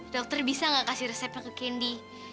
dokter bisa nggak kasih resepnya ke kendi